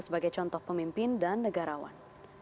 sebagai contoh pemimpin dan negarawan